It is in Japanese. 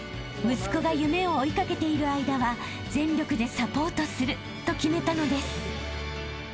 ［息子が夢を追い掛けている間は全力でサポートすると決めたのです］